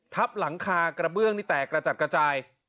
ทับหลังคากระเบื้องนี่แตกกระจัดกระจาย